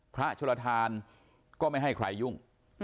พระชุระทานก็ไม่ให้ใครยุ่ง